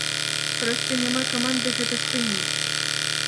Проста няма каманды гэта спыніць.